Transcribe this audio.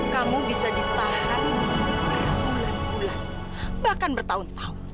kamu bisa ditahan berbulan bulan bahkan bertahun tahun